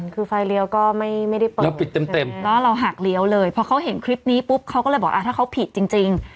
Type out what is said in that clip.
คือไฟเลี้ยวก็ไม่ได้เปิดเราปิดเต็มแล้วเราหักเลี้ยวเลยพอเขาเห็นคลิปนี้ปุ๊บเขาก็เลยบอกถ้าเขาผิดจริง